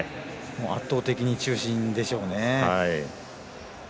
圧倒的に中心でしょうね。